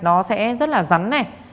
nó sẽ rất là rắn